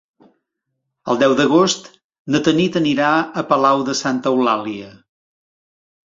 El deu d'agost na Tanit anirà a Palau de Santa Eulàlia.